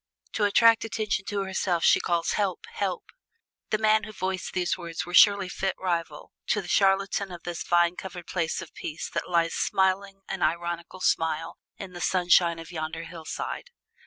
To attract attention to herself she calls, 'Help, help!'" The man who voiced these words was surely fit rival to the chatelaine of this vine covered place of peace that lies smiling an ironical smile in the sunshine on yonder hillside.